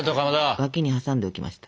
脇に挟んでおきました。